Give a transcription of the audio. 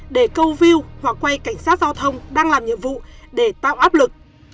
để câu view hoặc quay cảnh sát giao thông đang làm nhiệm vụ để tạo áp lực